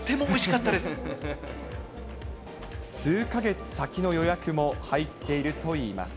数か月先の予約も入っているといいます。